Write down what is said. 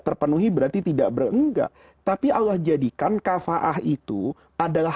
terpenuhi berarti tidak berenggak tapi allah jadikan kafaah itu adalah